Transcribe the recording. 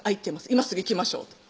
今すぐ行きましょう」